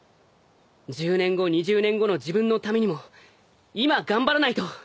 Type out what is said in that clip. １０年後２０年後の自分のためにも今頑張らないと。